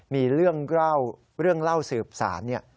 มีเรื่องเล่าเรื่องเล่าสืบสารเนี่ย